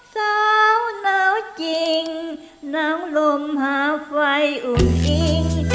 สาวหน้าวจริงหน้าวลมหาไฟอุ่มอิ่ง